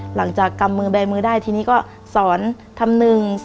หลังจากกำมือแบมือได้ทีนี้ก็สอนทำหนึ่ง